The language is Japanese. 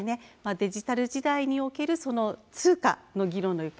デジタル通貨における通貨の議論の行方